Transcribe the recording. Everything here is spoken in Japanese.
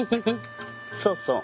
そうそう。